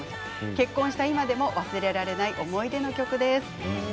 結婚した今でも忘れられない曲です。